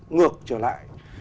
ngược trở lại